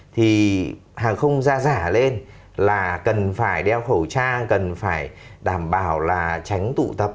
thì hàng không ra giả lên là cần phải đeo khẩu trang cần phải đảm bảo là tránh tụ tập